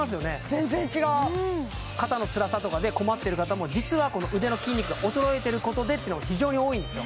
全然違う肩のつらさとかで困ってる方も実は腕の筋肉が衰えてることでってのが非常に多いんですよ